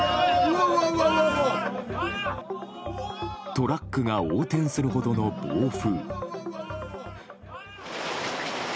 トラックが横転するほどの暴風。